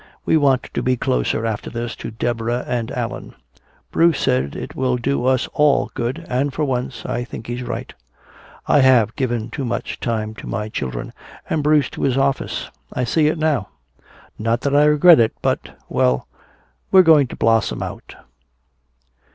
We want to be closer, after this, to Deborah and Allan. Bruce says it will do us all good, and for once I think he's right. I have given too much time to my children, and Bruce to his office I see it now. Not that I regret it, but well, we're going to blossom out."